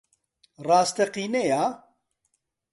ڕاستەقینەیە؟